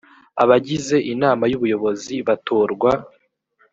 abagize inama y ubuyobozi batorwa